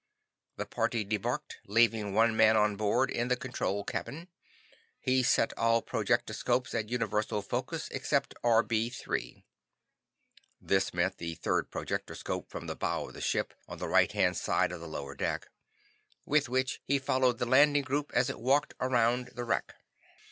The party debarked, leaving one man on board in the control cabin. He set all projectoscopes at universal focus except RB 3," (this meant the third projectoscope from the bow of the ship, on the right hand side of the lower deck) "with which he followed the landing group as it walked around the wreck.